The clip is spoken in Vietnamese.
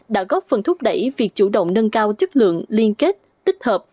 đã góp phần thúc đẩy việc chủ động nâng cao chất lượng liên kết tích hợp